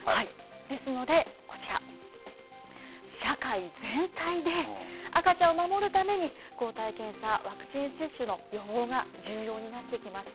ですので、こちら、社会全体で赤ちゃんを守るために、抗体検査、ワクチン接種の予防が重要になってきます。